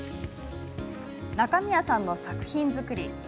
中宮さんの作品作り